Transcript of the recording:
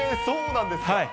そうなんですか。